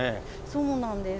そうなんです。